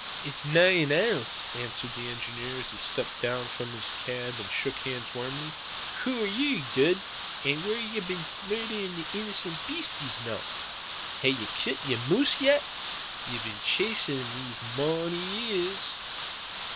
"It's nane else," answered the engineer as he stepped down from his cab and shook hands warmly. "Hoo are ye, Dud, an' whaur hae ye been murderin' the innocent beasties noo? Hae ye kilt yer moose yet? Ye've been chasin' him these mony years."